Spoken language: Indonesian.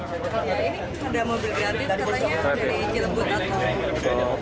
ya ini ada mobil ganti katanya dari cilebut